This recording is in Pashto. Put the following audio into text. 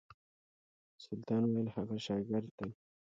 سلطان ویل هغه شاګرد دی.